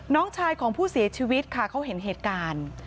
น้องชายของผู้เสียชีวิตค่ะเขาเห็นเหตุการณ์